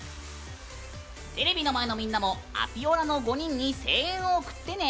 テレビの前のみんなもアピオラの５人に声援を送ってね。